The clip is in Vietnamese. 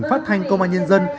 phát thanh công an nhân dân